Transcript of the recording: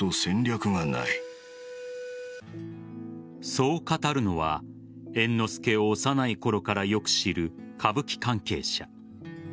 そう語るのは猿之助を幼いころからよく知る歌舞伎関係者。